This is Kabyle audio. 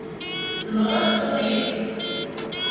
Tzemreḍ ad tedduḍ yid-s.